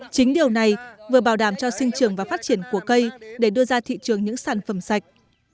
chính điều này vừa bảo đảm cho sinh trường và phát triển của cây để đưa ra thị trường những sản phẩm sạch